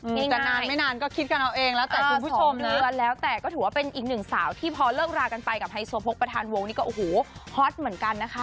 อีกจะนานไม่นานก็คิดกันเอาเองแล้วแต่คุณผู้ชมแล้วแต่ก็ถือว่าเป็นอีกหนึ่งสาวที่พอเลิกรากันไปกับไฮโซโพกประธานวงนี้ก็โอ้โหฮอตเหมือนกันนะคะ